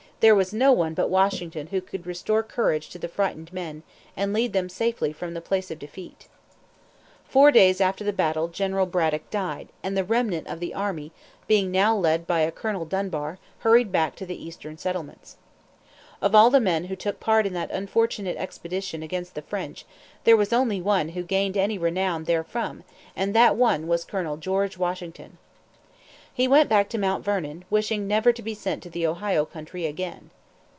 There was no one but Washington who could restore courage to the frightened men, and lead them safely from the place of defeat. Four days after the battle General Braddock died, and the remnant of the army being now led by a Colonel Dunbar, hurried back to the eastern settlements. Of all the men who took part in that unfortunate expedition against the French, there was only one who gained any renown therefrom, and that one was Colonel George Washington. He went back to Mount Vernon, wishing never to be sent to the Ohio Country again.